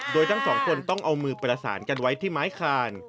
โดยทั้งสองคนต้องเอามือประสานกันไว้ที่ไม้คาน